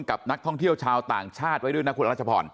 กับนักท่องเที่ยวชาวต่างชาติไว้ด้วยนะคุณรัชพร